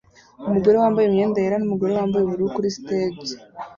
Umugore wambaye imyenda yera numugore wambaye ubururu kuri stage